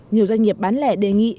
nhiều doanh nghiệp bán lẻ đề nghị